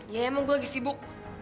ya emang gue lagi sibuk